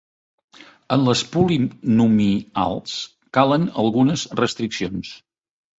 En les polinomials calen algunes restriccions.